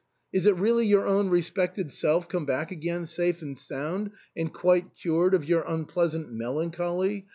Is it really your own respected self come back again safe and sound, and quite cured of your unpleasant melancholy